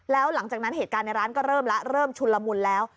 แล้วหลังจากนั้นเหตุการณ์ในร้านก็เริ่มแล้วเริ่มชุนละมุนแล้ว